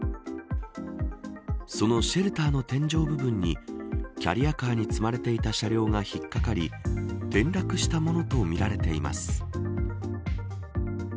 そのシェルターの天井部分にキャリアカーに積まれていた車両が引っかかり転落したものとみられています。